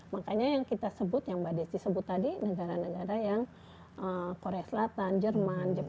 makanya yang kita sebut yang mbak desi sebut tadi negara negara yang korea selatan jerman jepang